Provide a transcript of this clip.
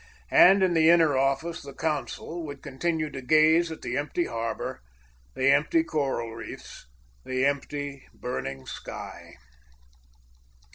And in the inner office the consul would continue to gaze at the empty harbor, the empty coral reefs, the empty, burning sky.